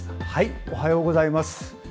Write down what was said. おはようございます。